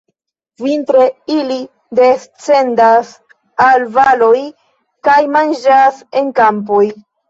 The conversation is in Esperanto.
Vintre ili descendas al valoj kaj manĝas en kampoj.